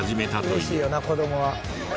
「嬉しいよな子どもは」